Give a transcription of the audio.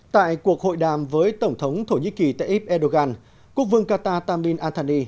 tại cuộc hội đàm với tổng thống thổ nhĩ kỳ tây íp erdogan quốc vương qatar tamir al thani